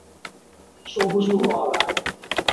說不出話來